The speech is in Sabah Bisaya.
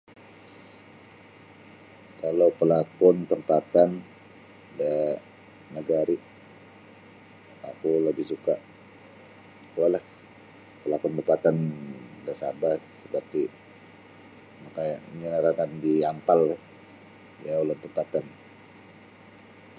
Kalau palakon tampatan da nagari' oku labih suka' kuolah palakon tampatan da Sabah seperti maka' ngaranan di Yampal ri iyo ulun tampatan.